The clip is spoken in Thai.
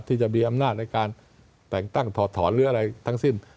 ที่จะมีอำนาจในการแต่งตั้งถอดถอนหรืออะไรทั้งสิ้น